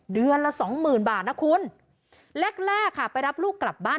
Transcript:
เดือนละสองหมื่นบาทนะคุณแรกแรกค่ะไปรับลูกกลับบ้าน